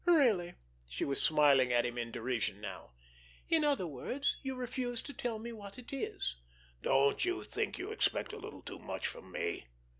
"Really!" She was smiling at him in derision now. "In other words, you refuse to tell me what it is." "Don't you think you expect a little too much from me?"